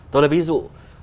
tôi là ví dụ